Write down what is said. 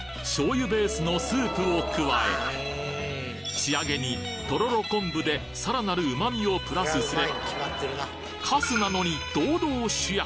仕上げにとろろ昆布でさらなる旨味をプラスすればかすなのに堂々主役！